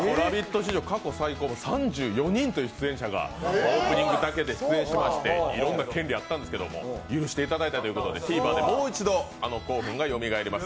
史上、過去最高３４人という出演者がオープニングだけで出演しまして、いろんな権利があったんですけど許していただいたということでＴｖｅｒでもう一度、あの興奮がよみがえります。